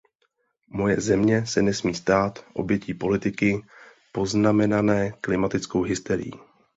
Moje země se nesmí stát obětí politiky poznamenané klimatickou hysterií.